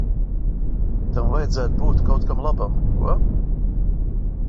Tam vajadzētu būt kaut kam labam, ko?